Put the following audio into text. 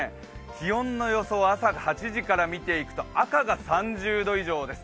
気温の予想を朝８時から見ていくと朝が３０度以上です。